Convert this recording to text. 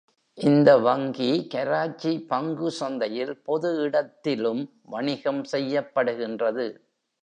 இந்த வங்கி கராச்சி பங்கு சந்தையில் பொது இடத்திலும் வணிகம் செய்யப்படுகின்றது.